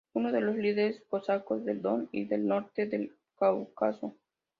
Uno de los líderes cosacos del Don y del norte del Cáucaso.